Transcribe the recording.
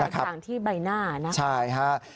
ค่ะแบบทางที่ใบหน้านะครับใช่ค่ะ